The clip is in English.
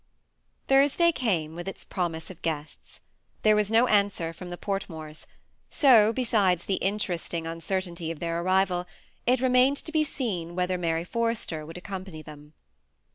Thubsday came with its promise of guests* There was no answer from the Fortmores; so, besides the interesting uncertainty of their arrival, it remained to be seen whether Mary Forrester would accompany them.